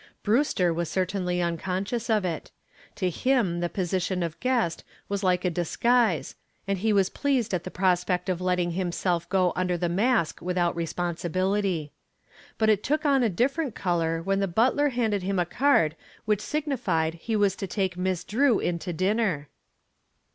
Brewster was certainly unconscious of it. To him the position of guest was like a disguise and he was pleased at the prospect of letting himself go under the mask without responsibility. But it took on a different color when the butler handed him a card which signified that he was to take Miss Drew in to dinner.